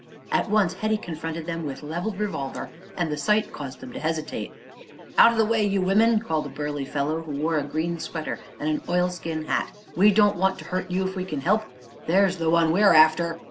At once Hetty confronted them with leveled revolver and the sight caused them to hesitate. "Out o' the way, you women!" called a burly fellow who wore a green sweater and an oilskin hat; "we don't want to hurt you if we can help. There's the one we're after!"